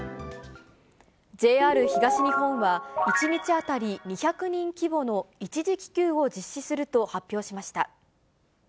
ＪＲ東日本は、１日当たり２００人規模の一時帰休を実施すると発表しました。